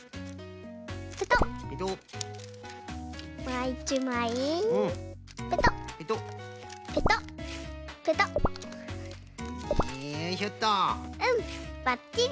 うんばっちり。